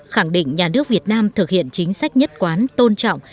khẳng định nhà nước việt nam thực hiện chính sách nhất quán tôn trọng